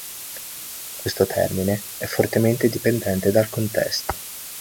Questo termine è fortemente dipendente dal contesto.